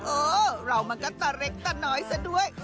เออเรามันก็ต่อเล็กต่อหน่อยซ๊ะด้วย